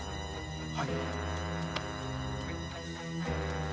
はい。